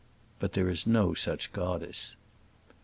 But there is no such goddess.